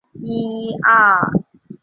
克拉尔贝克。